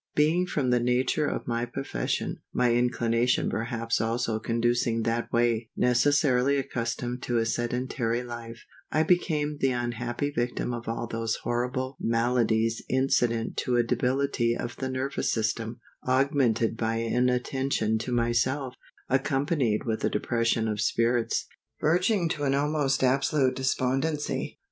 Being from the nature of my profession (my inclination perhaps also conducing that way) necessarily accustomed to a sedentary life, I became the unhappy victim of all those horrible maladies incident to a debility of the nervous system, augmented by inattention to myself, accompanied with a depression of spirits, verging to an almost absolute despondency.